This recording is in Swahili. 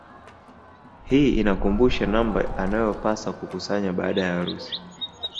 Hii inamkumbusha ngapi anavyopaswa kukusanya baada ya harusi